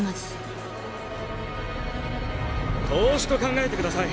投資と考えてください。